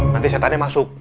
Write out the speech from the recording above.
nanti setannya masuk